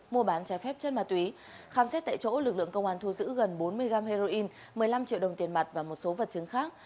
mua bán trái phép chất ma túy khám xét tại chỗ lực lượng công an thu giữ gần bốn mươi gram heroin một mươi năm triệu đồng tiền mặt và một số vật chứng khác